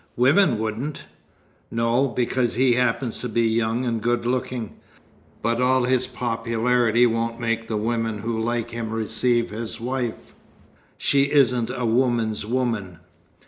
"Women wouldn't." "No. Because he happens to be young and good looking. But all his popularity won't make the women who like him receive his wife. She isn't a woman's woman."